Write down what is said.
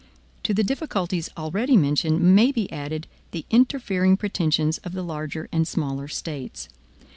To the difficulties already mentioned may be added the interfering pretensions of the larger and smaller States.